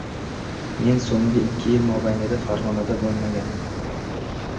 Men so‘nggi ikki yil mobaynida Farg‘onada bo‘lmagan